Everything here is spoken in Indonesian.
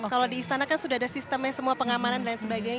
kalau di istana kan sudah ada sistemnya semua pengamanan dan sebagainya